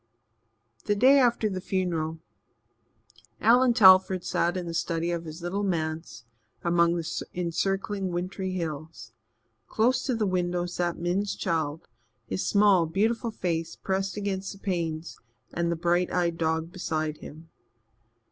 The day after the funeral, Allan Telford sat in the study of his little manse among the encircling wintry hills. Close to the window sat Min's child, his small, beautiful face pressed against the panes, and the bright eyed dog beside him.